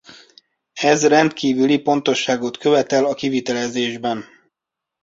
Ez rendkívüli pontosságot követel a kivitelezésben.